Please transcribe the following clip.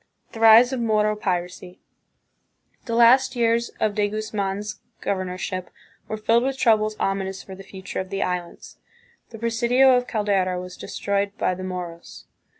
The Rise of Moro Piracy. The last years of De Guz man's governorship were filled with troubles ominous for the future of the Islands. The presidio of Caldera was destroyed by the Moros.